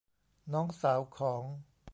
น้องสาวของ